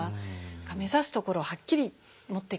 目指すところをはっきり持っていかないと。